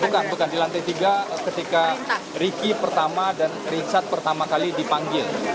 bukan bukan di lantai tiga ketika ricky pertama dan richard pertama kali dipanggil